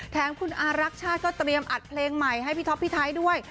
แถมคุณอารักชาติก็เตรียมอัดเพลงใหม่ให้พี่ท็อปพี่ไทยด้วย